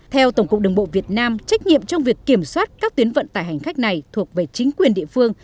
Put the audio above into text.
theo tổng cục đường bộ việt nam trách nhiệm trong việc kiểm soát các tuyến vận tải hành khách này thuộc về chính quyền địa phương